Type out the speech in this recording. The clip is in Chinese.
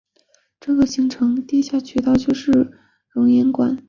这个形成的地下渠道就是熔岩管。